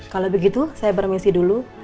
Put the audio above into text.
kalau begitu saya bermisi dulu